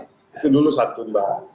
itu dulu satu bahan